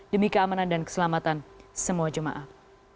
demi keamanan dan keselamatan semua jemaah